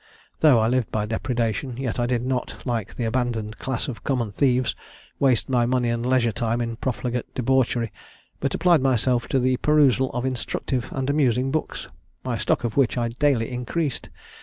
Though I lived by depredation, yet I did not, like the abandoned class of common thieves, waste my money and leisure time in profligate debauchery, but applied myself to the perusal of instructive and amusing books, my stock of which I daily increased.